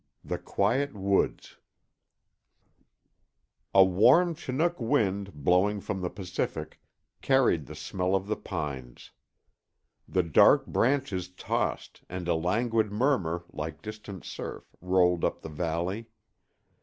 IX THE QUIET WOODS A warm Chinook wind, blowing from the Pacific, carried the smell of the pines. The dark branches tossed and a languid murmur, like distant surf, rolled up the valley.